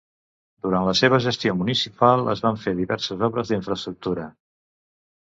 Durant la seva gestió municipal es van fer diverses obres d'infraestructura.